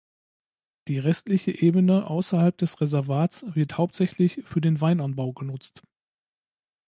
Die restliche Ebene außerhalb des Reservats wird hauptsächlich für den Weinanbau genutzt.